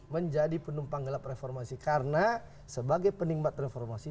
menjadi penumpang gelap reformasi karena sebagai penikmat reformasi